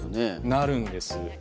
なるんです。